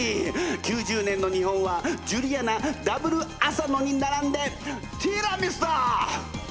９０年の日本はジュリアナＷ浅野に並んでティラミスだ！